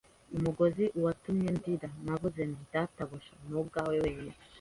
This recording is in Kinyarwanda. yatanze, nkuko yavugaga, umugozi watumye ndira. Navuze nti: “Databuja, ni ibyawe wenyine